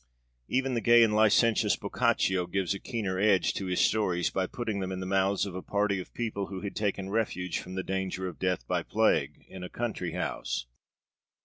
Even the gay and licentious Boccaccio gives a keener edge to his stories by putting them in the mouths of a party of people who had taken refuge from the danger of death by plague, in a country house.